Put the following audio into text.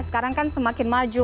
sekarang kan semakin maju